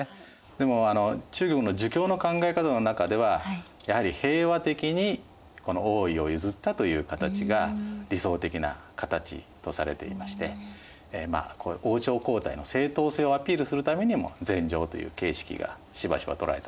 でも中国の儒教の考え方の中ではやはり平和的に王位を譲ったという形が理想的な形とされていまして王朝交替の正当性をアピールするためにも禅譲という形式がしばしばとられたわけですね。